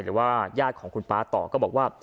หรือว่าญาติของคุณป๊าต่อก็บอกว่า